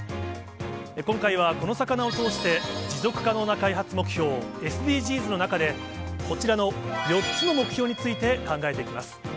今回はこの魚を通して、持続可能な開発目標・ＳＤＧｓの中で、こちらの４つの目標について考えていきます。